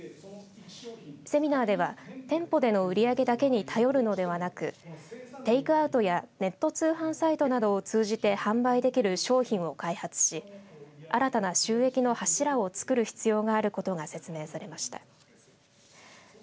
セミナーでは店舗での売り上げだけに頼るのではなく、テークアウトやネット通販サイトなどを通じて販売できる商品を開発し新たな収益の柱を作る必要があることが説明されました。